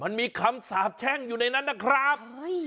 มันมีคำสาบแช่งอยู่ในนั้นนะครับ